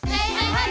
はい！